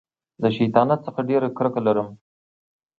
له شیطانت څخه ډېره کرکه لرم.